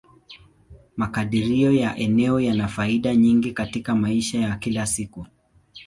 Makadirio ya eneo yana faida nyingi katika maisha ya kila siku.